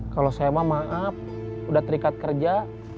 kalau saya mah maaf udah terikat kerja